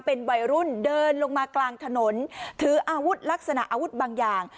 เป็นวัยรุ่นเดินลงมากลางถนนถืออาวุธลักษณะอาวุธบางอย่าง